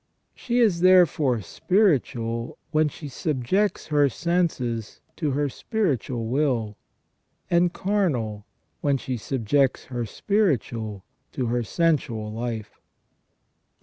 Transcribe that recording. She is therefore spiritual when she subjects her senses to her spiritual will, and carnal when she subjects her spiritual to her sensual life.